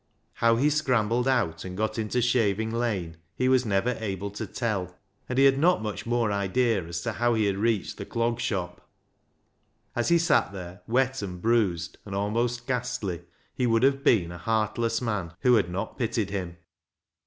How he scrambled out and got into Shaving Lane he was never able to tell, and he had not much more idea as to how he had reached the Clog Shop. As he sat there, wet and bruised, and almost ghastly, he would have been a heartless man who had not pitied him.